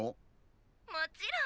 もちろん！